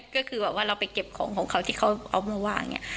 ก็คือเราไปเก็บของที่เขาเอามาวาง